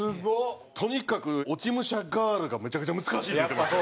とにかく落ち武者ガールがめちゃくちゃ難しい言うてました。